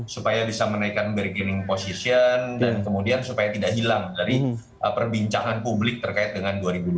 supaya bisa menaikkan bergening position dan kemudian supaya tidak hilang dari perbincangan publik terkait dengan dua ribu dua puluh